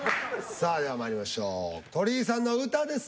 さあではまいりましょう鳥居さんの歌です